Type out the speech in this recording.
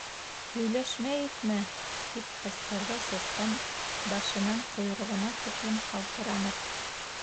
— Һөйләшмәйекме? — тип ҡысҡырҙы Сысҡан, башынан ҡойроғона тиклем ҡалтыранып.